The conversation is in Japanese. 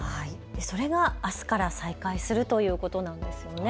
それがあすから再開するということなんですよね。